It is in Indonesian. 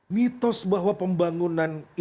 mitos bahwa pembangunan ekonomi ini